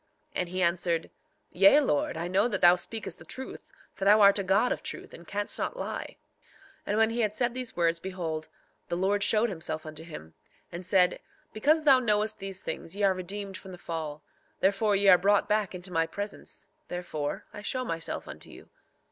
3:12 And he answered: Yea, Lord, I know that thou speakest the truth, for thou art a God of truth, and canst not lie. 3:13 And when he had said these words, behold, the Lord showed himself unto him, and said: Because thou knowest these things ye are redeemed from the fall; therefore ye are brought back into my presence; therefore I show myself unto you.